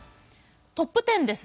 トップテンです。